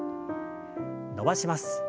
伸ばします。